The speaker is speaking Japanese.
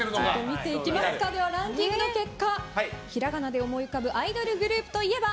見ていきましょうかランキングの結果ひらがなで思い浮かぶアイドルグループといえば？